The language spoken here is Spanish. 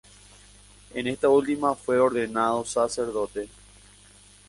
En esta última fue ordenado sacerdote.